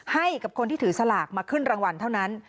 ให้กับคนที่ถือสลากมาขึ้นรางวัลเท่านั้น